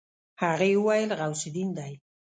هغې وويل غوث الدين دی.